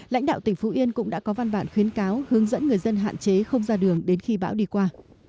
lãnh đạo tỉnh phú yên cũng đã có văn bản khuyến cáo hướng dẫn người dân hạn chế không ra đường đến khi bão đi qua